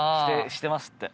してますって。